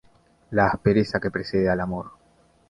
La aspereza que precede al amor.